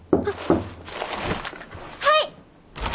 はい！